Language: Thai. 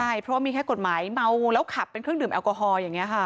ใช่เพราะว่ามีแค่กฎหมายเมาแล้วขับเป็นเครื่องดื่มแอลกอฮอลอย่างนี้ค่ะ